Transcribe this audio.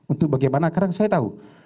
untuk bagaimana karena saya tahu